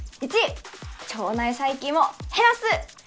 １腸内細菌を減らす